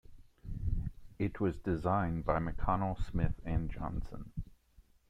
It was designed by McConel Smith and Johnson.